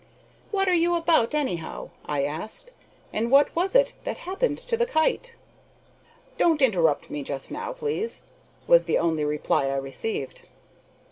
"What are you about, anyhow?" I asked, "and what was it that happened to the kite?" "Don't interrupt me just now, please," was the only reply I received.